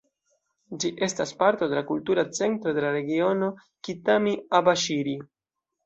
Ĝi estas parto de la Kultura Centro de la regiono Kitami-Abaŝiri.